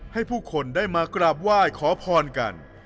ให้ผู้คนได้มากราบไหว้ขอพรกัน